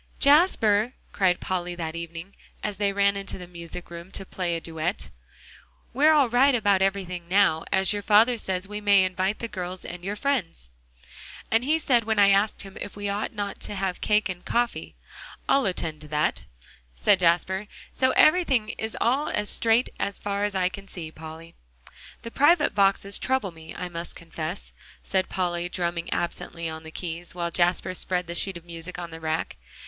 "Jasper," cried Polly that evening, as they ran into the music room to play a duet, "we're all right about everything now, as your father says we may invite the girls and your friends." "And he said when I asked him if we ought not to have cake and coffee, 'I'll attend to that,'" said Jasper, "so everything is all straight as far as I can see, Polly." "The private boxes trouble me, I must confess," said Polly, drumming absently on the keys, while Jasper spread the sheet of music on the rack.